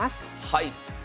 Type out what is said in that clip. はい。